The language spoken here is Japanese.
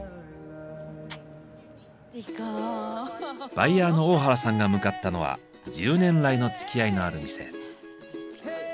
バイヤーの大原さんが向かったのは１０年来のつきあいのある店。